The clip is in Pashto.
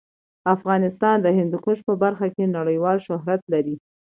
افغانستان د هندوکش په برخه کې نړیوال شهرت لري.